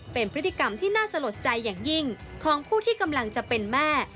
เป็นพฤติกรรมที่น่าสลดใจอย่างยิ่งของผู้ที่กำลังจะเป็นแม่